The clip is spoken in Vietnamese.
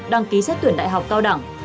đăng ký xét tuyển đại học cao đẳng